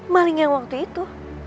maling yang waktu itu